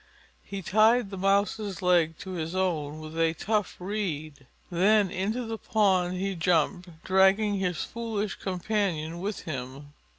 He tied the Mouse's leg to his own with a tough reed. Then into the pond he jumped, dragging his foolish companion with him.